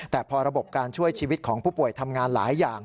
แต่พอระบบการช่วยชีวิตของผู้ป่วยทำงานหลายอย่าง